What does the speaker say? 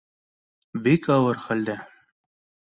Бик ауыр хәлдә